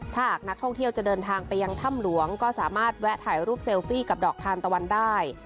ถ้าหากนักท่องเที่ยวจะเดินทางไปยังถ้ำหลวงก็สามารถแวะถ่ายรูปเซลฟี่กับดอกทานตะวันได้